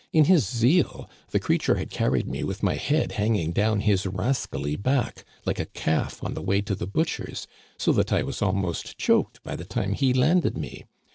In his zeal, the creature had carried me with my head hanging down his rascally back, like a calf on the way to the butcher's, so that I was almost choked by the time he landed me.